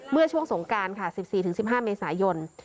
เมื่อช่วงสงการค่ะ๑๔๑๕เมษายน